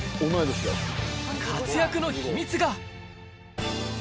活躍の秘密が。